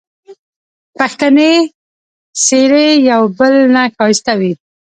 پښتني څېرې یو بل نه ښایسته وې